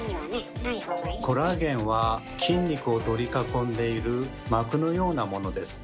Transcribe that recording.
コラーゲンは筋肉を取り囲んでいる膜のようなものです。